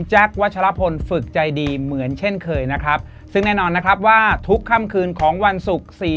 วัชลพลฝึกใจดีเหมือนเช่นเคยนะครับซึ่งแน่นอนนะครับว่าทุกค่ำคืนของวันศุกร์